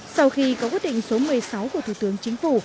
sau khi có quyết định số một mươi sáu của thủ tướng chính phủ